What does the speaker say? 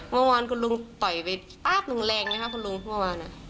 เมื่อวานคุณลุงต่อยไปป๊าบลุงแรงไหมคะคุณลุงเมื่อวาน